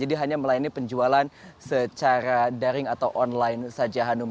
jadi hanya melayani penjualan secara daring atau online saja hanum